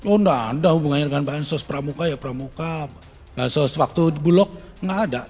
oh nggak ada hubungannya dengan bansos pramuka ya pramuka bansos waktu bulog nggak ada